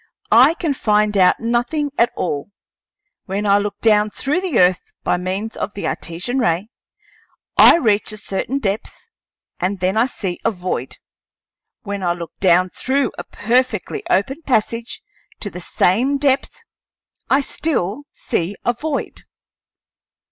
I can find out nothing at all. When I look down through the earth by means of the Artesian ray I reach a certain depth and then I see a void; when I look down through a perfectly open passage to the same depth, I still see a void."